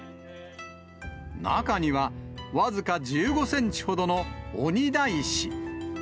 中には、僅か１５センチほどの鬼大師。